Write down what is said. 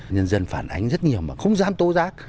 nhân dân phản ánh rất nhiều mà không dám tố giác